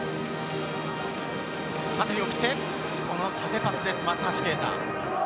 縦に送って、この縦パスです、松橋啓太。